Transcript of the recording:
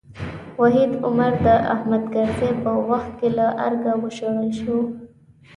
وحید عمر د حامد کرزي په وخت کې له ارګه وشړل شو.